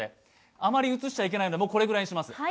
あまり映しちゃいけないので、これぐらいにします。